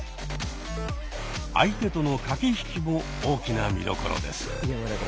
相手との駆け引きも大きな見どころです。